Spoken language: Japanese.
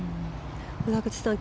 村口さん